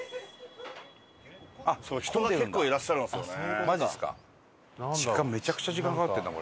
人が結構いらっしゃるんですよね。